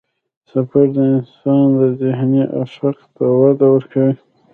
سفر د انسان ذهني افق ته وده ورکوي.